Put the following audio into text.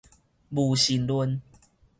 無神論